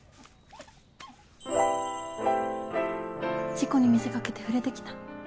事故に見せかけて触れてきた。